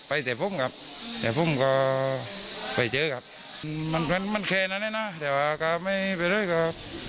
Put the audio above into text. ไปแต่พุ่งครับแต่พุ่งก็ไปเจอกับมันมันมันแค่นั้นเนี้ยน่ะแต่ว่าก็ไม่ไปด้วยครับ